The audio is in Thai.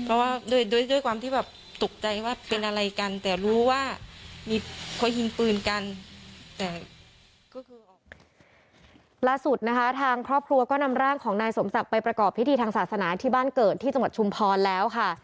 ล่าสุดนะคะทางครอบครัวก็นำร่างของนายสมศักดิ์ไปประกอบพิธีทางศาสนาที่บ้านเกิดที่จังหวัดชุมพรแล้วค่ะ